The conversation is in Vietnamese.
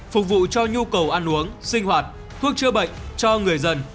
phục vụ cho nhu cầu ăn uống sinh hoạt thuốc chữa bệnh cho người dân